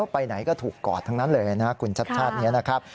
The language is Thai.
ไปไหนก็ถูกกอดทั้งนั้นเลยนะคุณชัดชาตินี้นะครับ